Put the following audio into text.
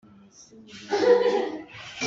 Pawng zeizat dah na si?